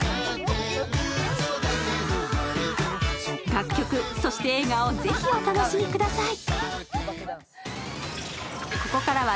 楽曲、そして映画をぜひお楽しみください。